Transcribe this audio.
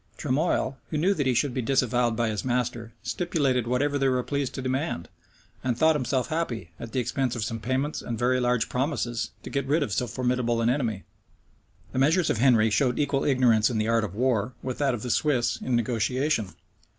Tremoille, who knew that he should be disavowed by his master, stipulated whatever they were pleased to demand; and thought himself happy, at the expense of some payments and very large promises, to get rid of so formidable an enemy.[*] The measures of Henry showed equal ignorance in the art of war with that of the Swiss in negotiation.